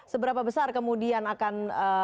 seberapa besar kemudian akan